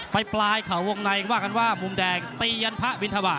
ไปปลายเขาวงในว่ากันว่ามุมแดงตียันพระบินทวา